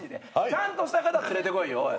ちゃんとした方連れてこいよおい。